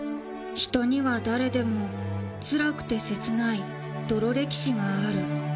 人には誰でもつらくて切ない泥歴史がある